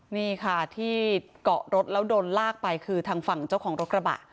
นี่ค่ะที่เกาะรถแล้วโดนลากไปคือทางฝั่งเจ้าของรถกระบะ